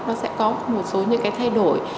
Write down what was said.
nó sẽ có một số những cái thay đổi